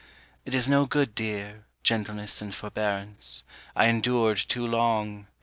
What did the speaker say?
It is no good, dear, gentleness and forbearance, I endured too long.